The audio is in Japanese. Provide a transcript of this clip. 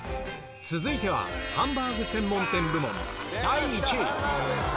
続いては、ハンバーグ専門店部門第１位。